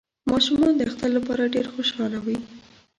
ماشومان د اختر لپاره ډیر خوشحاله وی